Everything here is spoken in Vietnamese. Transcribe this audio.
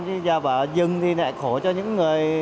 nhưng mà dừng thì lại khổ cho những người